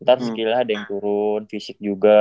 ntar skillnya ada yang turun fisik juga